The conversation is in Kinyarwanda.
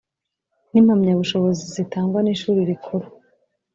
n impamyabushobozi zitangwa n Ishuri Rikuru